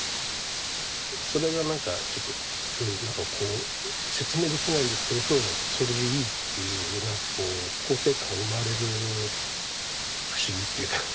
それがなんかちょっとうんなんかこう説明できないんですけれど「それでいい」っていうなんかこう肯定感が生まれる不思議っていうか。